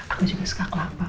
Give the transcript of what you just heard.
aku juga suka kelapa